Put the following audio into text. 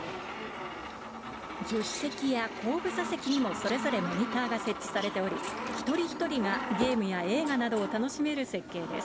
助手席や後部座席にもそれぞれモニターが設置されており、一人一人がゲームや映画などを楽しめる設計です。